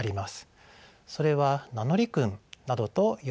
それは名乗り訓などと呼ばれるものです。